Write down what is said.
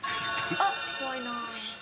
あっ怖いな。